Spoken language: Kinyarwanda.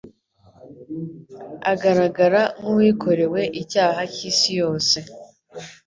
Agaragara nk'uwikorewe icyaha cy'isi yose.